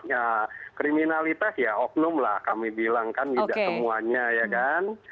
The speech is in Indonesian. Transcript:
ya kriminalitas ya oknum lah kami bilang kan tidak semuanya ya kan